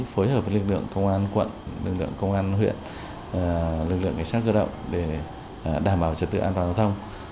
phối hợp với lực lượng công an quận lực lượng công an huyện lực lượng cảnh sát cơ động để đảm bảo trật tự an toàn giao thông